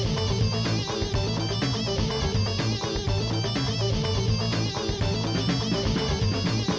siapa yang karena